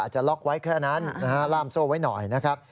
จะล็อกไว้แค่นั้นล่ามโซ่ไว้หน่อยนะครับ